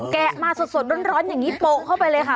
แกะมาสดร้อนอย่างนี้โปะเข้าไปเลยค่ะ